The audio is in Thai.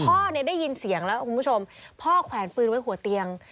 พ่อเนี่ยได้ยินเสียงแล้วคุณผู้ชมพ่อแขวนปืนไว้หัวเตียง